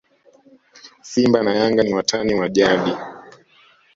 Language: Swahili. simba na yanga ni watani wa jadi